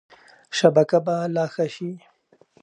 شبکه به لا ښه شي.